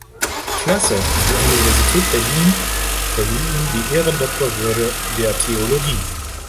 Klasse, und die Universität Berlin verlieh ihm die Ehrendoktorwürde der Theologie.